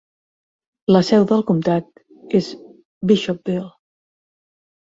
La seu del comtat és Bishopville.